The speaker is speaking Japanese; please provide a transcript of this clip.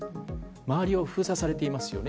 周りを封鎖されていますよね。